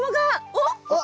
おっ？